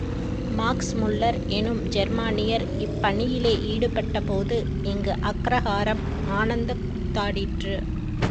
Max Muller எனும் ஜெர்மானியர், இப்பணியிலே ஈடுபட்டபோது இங்கு அக்ரகாரம் ஆனந்தக் கூத்தாடிற்று!